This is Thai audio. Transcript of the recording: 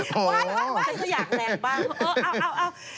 พูดไว้